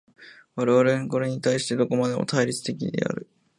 我々はこれに対してどこまでも対立的である。